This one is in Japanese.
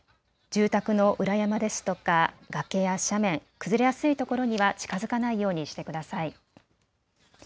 住宅の裏山ですとか崖や斜面、崩れやすいところには近づかないようにしてください。